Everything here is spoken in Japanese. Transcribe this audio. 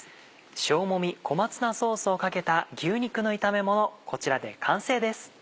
塩もみ小松菜ソースをかけた牛肉の炒めものこちらで完成です。